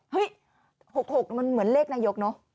เห้ยหกหกมันเหมือนเลขนายกเนาะ